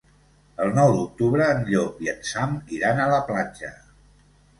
El nou d'octubre en Llop i en Sam iran a la platja.